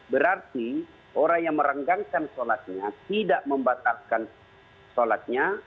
berarti orang yang merenggangkan sholatnya tidak membatalkan sholatnya